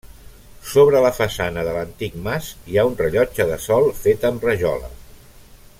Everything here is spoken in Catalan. Sobre la façana de l'antic mas, hi ha un rellotge de sol fet amb rajola.